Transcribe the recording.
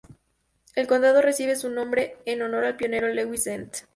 El condado recibe su nombre en honor al pionero Lewis Dent.